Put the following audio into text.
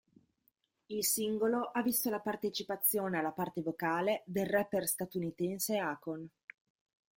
Il singolo ha visto la partecipazione alla parte vocale del rapper statunitense Akon.